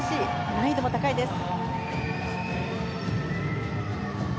難易度も高いです。